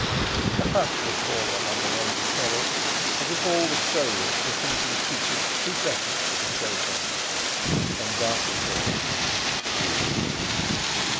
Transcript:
A hush had fallen on the noisy terrace, as if all the strollers were thinking secrets too precious to be spoken. And Dartie thought: "Women!"